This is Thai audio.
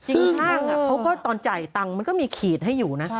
ห้างเขาก็ตอนจ่ายตังค์มันก็มีขีดให้อยู่นะ